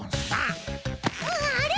あれ？